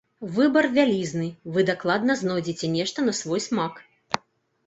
Выбар вялізны, вы дакладна знойдзеце нешта на свой смак.